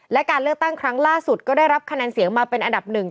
และการเลือกตั้งครั้งล่าสุดก็ได้รับคะแนนเสียงมาเป็นอันดับหนึ่ง